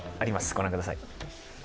ご覧ください。